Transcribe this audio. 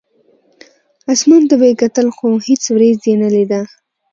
اسمان ته به یې کتل، خو هېڅ ورېځ یې نه لیده.